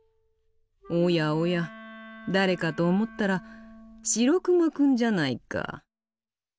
おやおや誰かと思ったらシロクマくんじゃないか。